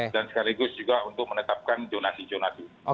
dan sekaligus juga untuk menetapkan zonasi zonasi